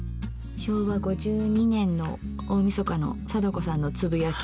昭和５２年の大みそかの貞子さんのつぶやき。